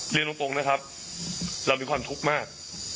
เรียนตรงนะครับเรามีความทุกข์มาก